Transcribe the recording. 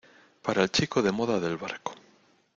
para el chico de moda del barco.